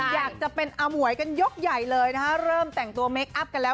อยากจะเป็นอมวยกันยกใหญ่เลยนะฮะเริ่มแต่งตัวเมคอัพกันแล้ว